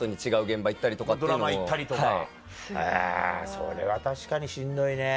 それは確かにしんどいね。